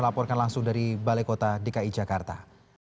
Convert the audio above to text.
laporkan langsung dari balai kota dki jakarta